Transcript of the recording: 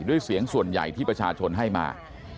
ด้วยเสียงส่วนใหญ่ที่ประชาชนให้มา